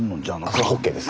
それホッケーです。